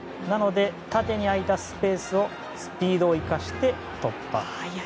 なので、縦に空いたスペースをスピードを生かして突破。